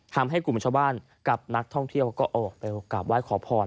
ทำให้กลุ่มชาวบ้านกับนักท่องเที่ยวก็ออกไปกลับไหว้ขอพร